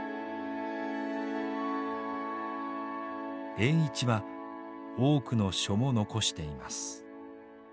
栄一は多くの書も残しています。